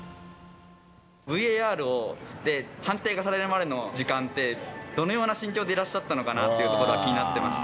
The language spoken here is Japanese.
ＶＡＲで判定がされるまでの時間って、どのような心境でいらっしゃったのかなというところが気になってました。